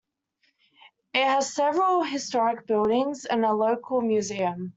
It has several historic buildings and a local museum.